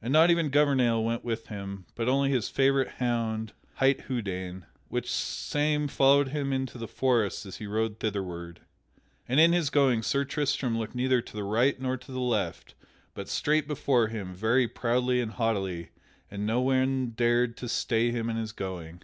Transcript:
And not even Gouvernail went with him, but only his favorite hound, hight Houdaine, which same followed him into the forest as he rode thitherward. And in his going Sir Tristram looked neither to the right nor to the left but straight before him very proudly and haughtily, and no one dared to stay him in his going.